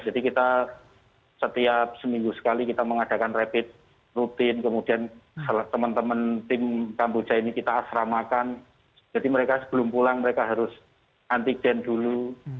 jadi kita setiap seminggu sekali kita mengadakan rapid routine kemudian teman teman tim kambuja ini kita asramakan jadi mereka sebelum pulang mereka harus antigen dulu